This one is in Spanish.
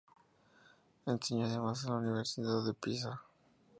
Enseñó además en la Universidad de Pisa.